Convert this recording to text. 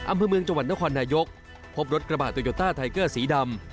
อำเภอเมืองจังหวัดนครนายกพบรถกระบะโตโยต้าไทเกอร์สีดำ